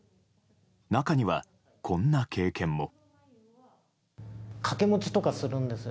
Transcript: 中には、こんな経験も。